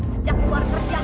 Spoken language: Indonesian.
sejak keluar kerjaan